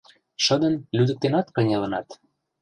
Шыдын, лӱдыктенак кынелынат